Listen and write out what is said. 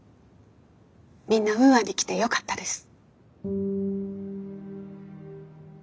みんなウーアに来てよかったです。